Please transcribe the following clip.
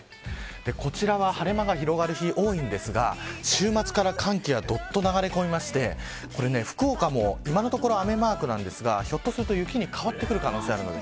こちらは晴れ間が広がる日多いんですが週末から寒気がどっと流れ込みまして福岡も今のところ雨マークですがひょっとすると雪に変わる可能性があります。